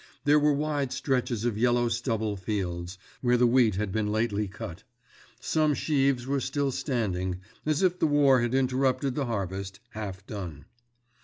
There were wide stretches of yellow stubble fields, where the wheat had been lately cut. Some sheaves were still standing, as if the war had interrupted the harvest, half done.